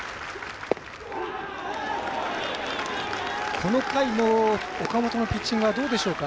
この回の岡本のピッチングはどうでしょうか？